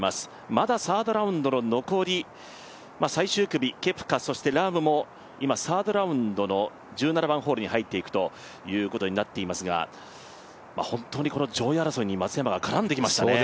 まだサードラウンドの残り、最終組、ケプカ、ラームも今サードラウンドの１７番ホールに入っていくことになりますが本当にこの上位争いに松山が絡んできましたね。